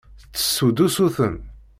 Tettessu-d usuten.